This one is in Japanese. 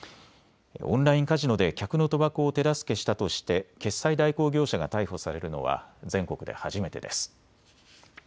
オンラインカジノで客の賭博を手助けしたとして決済代行業者が逮捕されるのは全国で初めてです。